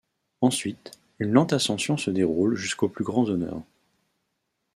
Ensuite, une lente ascension se déroule jusqu'aux plus grands honneurs.